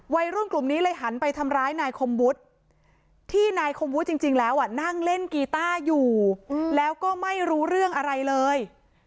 วัยรุ่นกลุ่มนี้เลยหันไปทำร้ายนายคมวุฒิที่นายคมวุฒิจริงแล้วนั่งเล่นกีต้าอยู่แล้วก็ไม่รู้เรื่องอะไรเลย